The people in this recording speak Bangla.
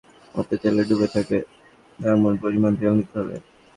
ভাজার সময় কাটলেটের অর্ধেকটা যাতে তেলে ডুবে থাকে এমন পরিমাণ তেল দিতে হবে।